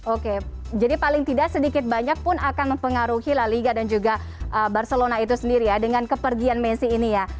oke jadi paling tidak sedikit banyak pun akan mempengaruhi la liga dan juga barcelona itu sendiri ya dengan kepergian messi ini ya